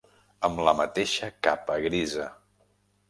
Amb la mateixa capa grisa.